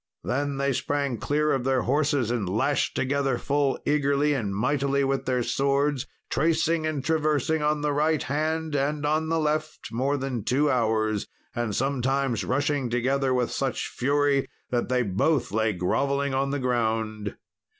Then they sprang clear of their horses, and lashed together full eagerly and mightily with their swords, tracing and traversing on the right hand and on the left more than two hours, and sometimes rushing together with such fury that they both lay grovelling on the ground.